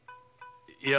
いや。